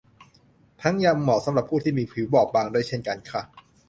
ทั้งยังเหมาะสำหรับผู้ที่มีผิวบอบบางด้วยเช่นกันค่ะ